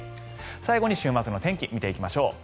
最後に週末の天気を見ていきましょう。